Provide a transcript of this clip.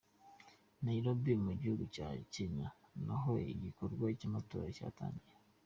Nairobie mu gihugu cya Kenya naho igikorwa cy’amatora cyatangiye.